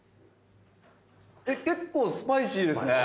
結構スパイシーですね。